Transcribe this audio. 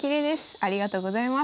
ありがとうございます。